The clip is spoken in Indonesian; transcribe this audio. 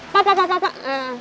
pak pak pak pak